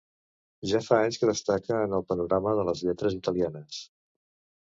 Ja fa anys que destaca en el panorama de les lletres italianes.